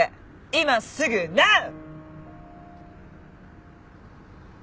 今すぐナウ！